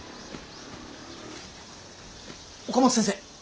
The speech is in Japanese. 岡本先生。